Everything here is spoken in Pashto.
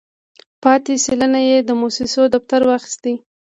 پاتې سلنه یې د موسسې دفتر واخیستې.